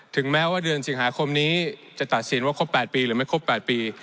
แม้ว่าเดือนสิงหาคมนี้จะตัดสินว่าครบ๘ปีหรือไม่ครบ๘ปี